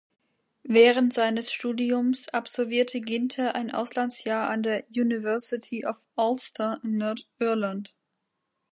Während seines Studiums absolvierte Ginther ein Auslandsjahr an der University of Ulster in Nordirland.